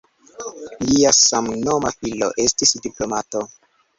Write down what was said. Lia samnoma filo estis diplomato.